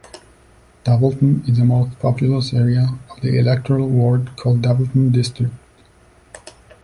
Dulverton is the most populous area of the electoral ward called 'Dulverton and District'.